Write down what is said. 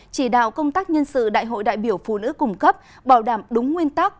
chỉ đạo công tác nhân sự đại hội đại biểu phụ nữ cung cấp bảo đảm đúng nguyên tắc